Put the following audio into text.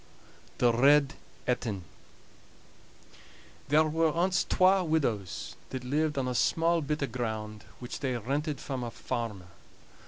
THE RED ETIN There were ance twa widows that lived on a small bit o' ground, which they rented from a farmer.